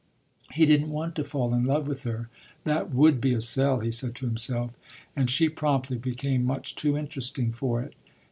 He didn't want to fall in love with her that would be a sell, he said to himself and she promptly became much too interesting for it.